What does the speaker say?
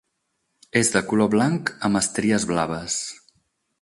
És de color blanc, amb estries blaves.